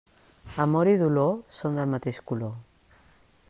Amor i dolor són del mateix color.